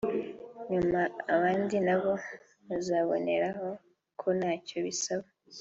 nyuma abandi na bo bazaboneraho ko ntacyo bisaba